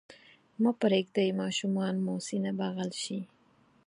مه پرېږدئ ماشومان مو سینه بغل شي.